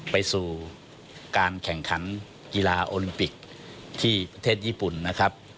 ไปสู่การแข่งขันกีฬาโอลิมปิกที่ประเทศญี่ปุ่นนะครับ